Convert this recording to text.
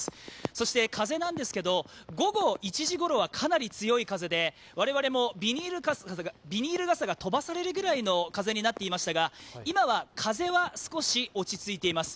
そして風なんですけれども、午後１時ごろはかなり強い風で、我々もビニール傘が飛ばされるぐらいの風になっていましたが、今は風は少し落ち着いています。